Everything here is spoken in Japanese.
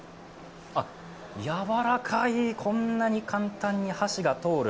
あっ、やわらかい、こんなに簡単に箸が通る。